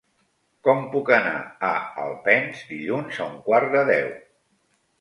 Com puc anar a Alpens dilluns a un quart de deu?